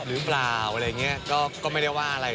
หรือเปล่าอะไรอย่างนี้ก็ไม่ได้ว่าอะไร